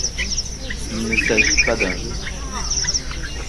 Il ne s’agit pas d’un jeu.